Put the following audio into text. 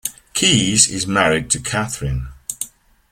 Keyes is married to Catherine.